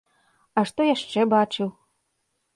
А што яшчэ бачыў?